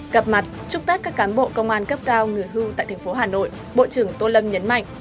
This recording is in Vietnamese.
gặp mặt chúc tết các cán bộ công an cấp cao người hưu tại thành phố hà nội bộ trưởng tô lâm nhấn mạnh